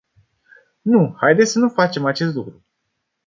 Nu, haideți să nu facem acest lucru.